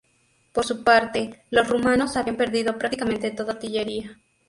Por su parte, los rumanos habían perdido prácticamente toda su artillería.